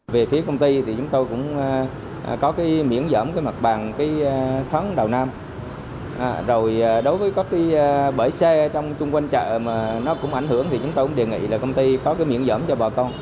về phía công ty thì chúng tôi cũng có cái miễn giảm cái mặt bằng cái tháng đầu năm rồi đối với các cái bãi xe trong chung quanh chợ mà nó cũng ảnh hưởng thì chúng tôi cũng đề nghị là công ty có cái miễn giảm cho bà con